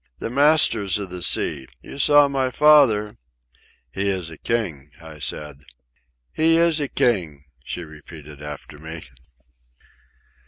"The masters of the sea! You saw my father ..." "He is a king," I said. "He is a king," she repeated after me.